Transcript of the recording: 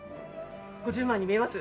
５０万に見えます？